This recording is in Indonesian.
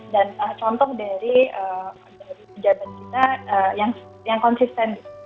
dan contoh dari kebijakan kita yang konsisten